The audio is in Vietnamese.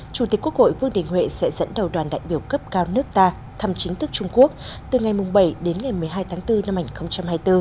chủ tịch quốc hội vương đình huệ sẽ dẫn đầu đoàn đại biểu cấp cao nước ta thăm chính thức trung quốc từ ngày bảy đến ngày một mươi hai tháng bốn năm hai nghìn hai mươi bốn